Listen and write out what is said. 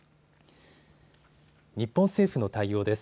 日本政府の対応です。